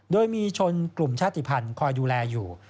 โดยมีชนกลุ่มชาติภัณฑ์คอยดูแลอยู่